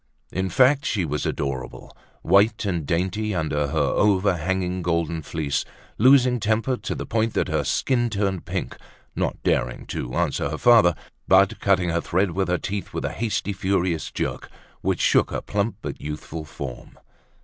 In fact, she was adorable, white and dainty under her overhanging golden fleece, losing temper to the point that her skin turned pink, not daring to answer her father, but cutting her thread with her teeth with a hasty, furious jerk, which shook her plump but youthful form.